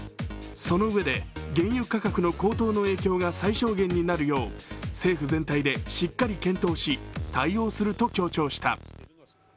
その上で原油価格の高騰の影響が最小限になるよう政府全体でしっかり検討し対応すると強調した。